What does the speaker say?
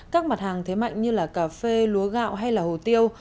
các mặt hàng thế mạnh như là cà phê lúa gạo hay là hồ tiêu